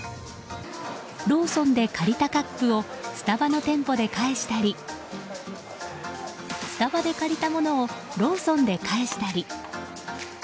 ローソンで借りたカップをスタバの店舗で返したりスタバで借りたものをローソンで返したり。